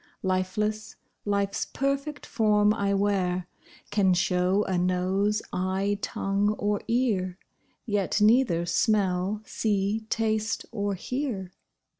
Lifeless, life's perfect form I wear, Can show a nose, eye, tongue, or ear, Yet neither smell, see, taste, or hear.